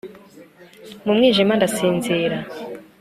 mu mwijima ndasinzira